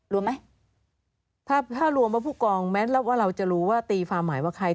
รวมไหมถ้าถ้ารวมว่าผู้กองแม้ว่าเราจะรู้ว่าตีความหมายว่าใคร